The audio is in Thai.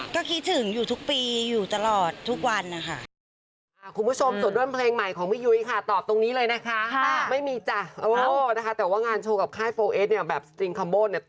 ก็คิดถึงอยู่ทุกปีอยู่ตลอดทุกวันนะคะ